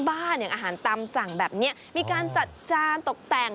อย่างอาหารตำจังแบบนี้มีการจัดจานตกแต่ง